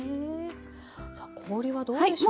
さあ氷はどうでしょうか？